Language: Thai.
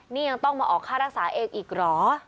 นี่ยังต้องมาออกค่ารักษาเองอีกเหรอ